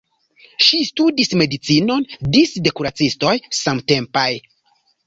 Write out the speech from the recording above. Ŝi studis medicinon disde kuracistoj samtempaj.